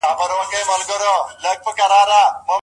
طائف لیونو پرې د ډبرو حمله وکړه.